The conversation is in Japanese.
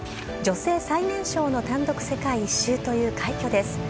女性最年少の単独世界一周という快挙です。